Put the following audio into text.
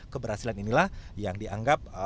keberhasilan inilah yang dianggap